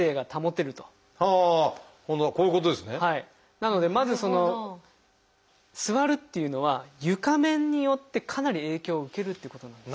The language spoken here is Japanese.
なのでまずその座るっていうのは床面によってかなり影響を受けるっていうことなんです。